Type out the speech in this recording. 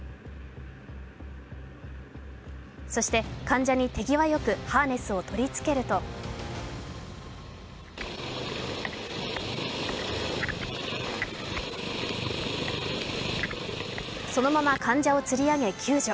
そして患者に手際よくハーネスを取り付けるとそのまま患者をつり上げ救助。